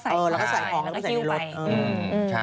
อุ้ยแล้วเขาใส่ออก